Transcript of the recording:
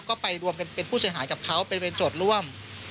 ก็ไปรวมกันเป็นผู้เสียหายกับเขาไปเป็นโจทย์ร่วม